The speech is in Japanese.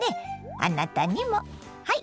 あなたにもはい。